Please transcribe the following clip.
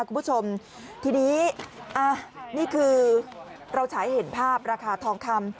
คุณผู้ชมทีนี้นี่คือเราฉายเห็นภาพราคาทองคำ